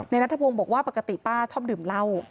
นัทธพงศ์บอกว่าปกติป้าชอบดื่มเหล้า